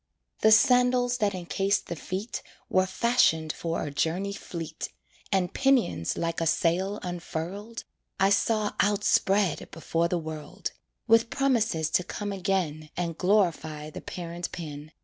The sandals that encased the feet Were fashioned for a journey fleet, And pinions, like a sail unfurled, I saw outspread before the world, With promises to come again And glorify the parent pen.